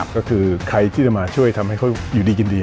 ก็คือใครที่จะมาช่วยทำให้เขาอยู่ดีกินดี